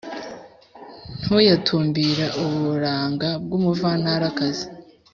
ntuyatumbira uburanga bw’umuvantarakazi;